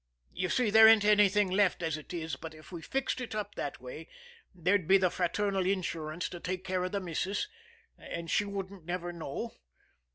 You see, there ain't nothing left as it is, but if we fixed it that way there'd be the fraternal insurance to take care of the missus, and she wouldn't never know.